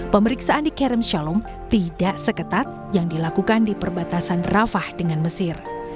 pemeriksaan di karen shalom tidak seketat yang dilakukan di perbatasan rafah dengan mesir